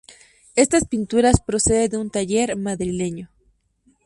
Estas pinturas proceden de un taller madrileño.